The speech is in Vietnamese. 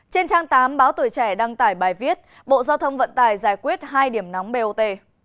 trên trang tám báo tuổi trẻ đăng tải bài viết bộ giao thông vận tải giải quyết hai điểm nóng bot